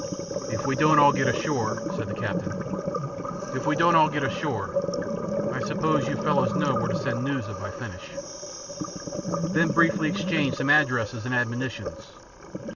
"If we don't all get ashore " said the captain. "If we don't all get ashore, I suppose you fellows know where to send news of my finish?" They then briefly exchanged some addresses and admonitions.